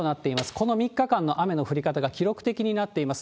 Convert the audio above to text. この３日間の雨の降り方が記録的になっています。